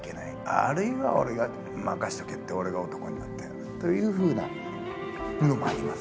あるいは俺が任しとけって俺が男になってやるというふうなのもありますよね。